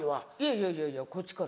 いやいやいやこっちから。